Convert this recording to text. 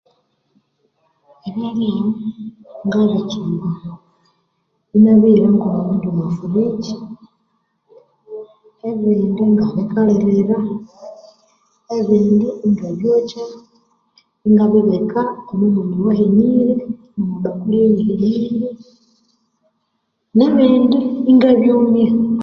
Ebyalya ngabitsumba, inabihirako omwa friji, ebindi inabikalirira, ebindi ingabyokya ingabibika omwa mwanya owahenirye, omwa bakuli eyihenirye nebindi inga byumya.